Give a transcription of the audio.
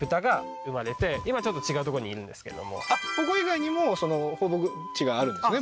ここ以外にも放牧地があるんですね